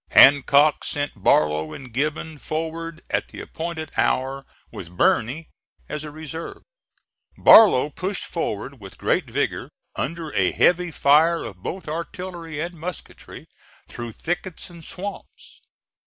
Hancock sent Barlow and Gibbon forward at the appointed hour, with Birney as a reserve. Barlow pushed forward with great vigor, under a heavy fire of both artillery and musketry, through thickets and swamps.